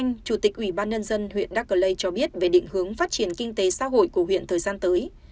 bà y thay chủ tịch ủy ban nhân dân huyện đắc lê cho biết về định hướng phát triển kinh tế xã hội của huyện thời gian tới